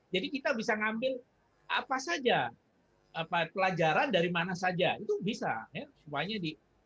jadi kita bisa ngambil apa saja pelajaran dari mana saja itu bisa